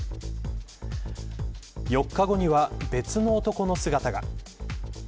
４日後には別の男の姿が。